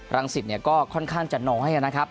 รังศิษย์เนี่ยก็ค่อนข้างจะนอให้นะครับ